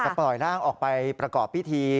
ปล่อยร่างออกไปประกอบพิธี